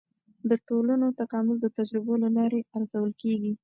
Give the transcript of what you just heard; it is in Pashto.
د ټولنو تکامل د تجربو له لارې ارزول کیږي.